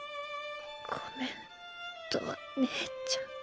ごめんとわ姉ちゃん。